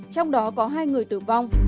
trong đó có hai người tử vong